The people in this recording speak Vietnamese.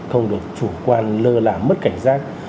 không được chủ quan lơ làm mất cảnh giác